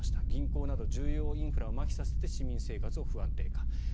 銀行など重要インフラをまひさせて市民生活を不安定化。